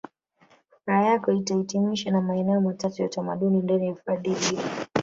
Furaha yako itahitimishwa na maeneo matatu ya utamaduni ndani ya hifadhi hiyo